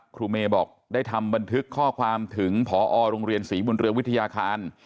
ครูเมย์บอกได้ทำบันทึกข้อความถึงพอโรงเรียนศรีบุญเรือวิทยาคาร